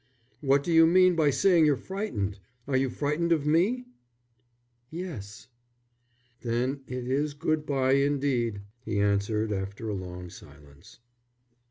"What do you mean by saying you're frightened? Are you frightened of me?" "Yes." "Then it is good bye indeed," he answered, after a long silence.